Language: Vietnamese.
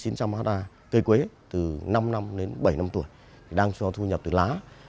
nó là cây quế từ năm năm đến bảy năm tuổi đang cho thu nhập từ lá